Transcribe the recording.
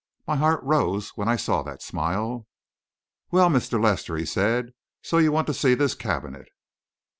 My heart rose when I saw that smile. "Well, Mr. Lester," he said, "so you want to see this cabinet?"